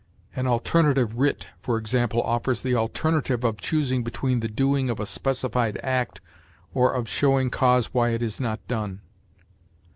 An alternative writ, for example, offers the alternative of choosing between the doing of a specified act or of showing cause why it is not done.